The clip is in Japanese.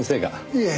いえ。